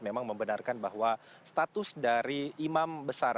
memang membenarkan bahwa status dari imam besar